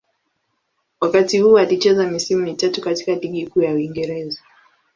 Wakati huu alicheza misimu mitatu katika Ligi Kuu ya Uingereza.